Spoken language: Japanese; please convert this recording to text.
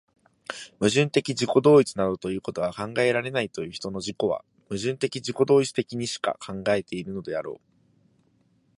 矛盾的自己同一などいうことは考えられないという人の自己は、矛盾的自己同一的にしか考えているのであろう。